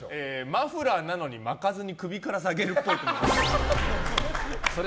マフラーなのに巻かずに首から下げるっぽい。